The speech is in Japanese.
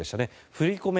振り込め